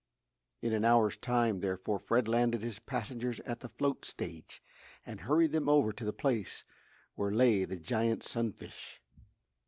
In an hour's time, therefore, Fred landed his passengers at the float stage, and hurried them over to the place where lay the giant sunfish.